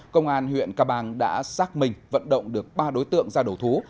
công an huyện ca bang đã xác minh vận động được ba đối tượng ra đầu thú